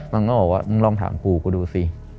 มันก็บอกว่ามึงลองถามปู่กูดูสิ